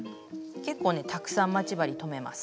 結構ねたくさん待ち針留めます。